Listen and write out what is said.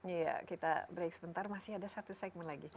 iya kita break sebentar masih ada satu segmen lagi